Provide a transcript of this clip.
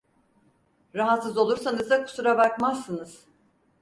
Rahatsız olursanız da kusura bakmazsınız!